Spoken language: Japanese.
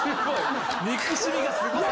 憎しみがすごい！